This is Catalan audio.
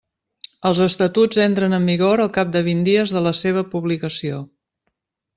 Els Estatuts entren en vigor al cap de vint dies de la seva publicació.